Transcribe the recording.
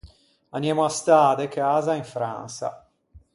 Aniemo à stâ de casa in Fransa.